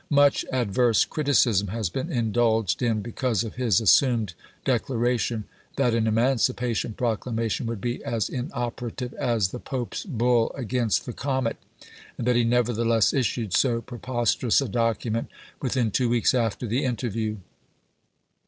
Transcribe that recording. Much adverse criticism has been indulged in because of his assumed decla ration that an emancipation proclamation would be as inoperative as " the Pope's bull against the comet," and that he nevertheless issued so prepos terous a document within two weeks after the in terview.